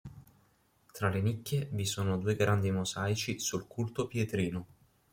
Tra le nicchie vi sono due grandi mosaici sul culto pietrino.